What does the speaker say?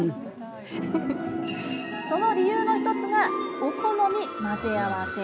その理由の１つがお好み混ぜ合わせ。